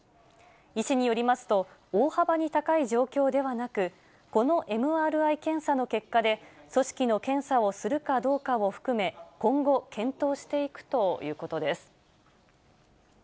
医師によりますと、大幅に高い状況ではなく、このＭＲＩ検査の結果で、組織の検査をするかどうかを含め、今後、検討していくということです。